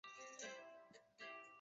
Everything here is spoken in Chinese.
于是其校队由此得名。